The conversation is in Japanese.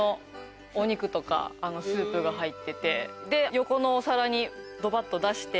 横のお皿にドバっと出して。